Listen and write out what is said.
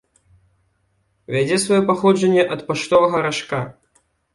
Вядзе сваё паходжанне ад паштовага ражка.